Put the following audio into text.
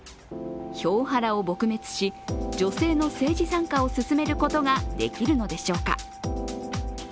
票ハラを撲滅し、女性の政治参加を進めることができるのでしょうか。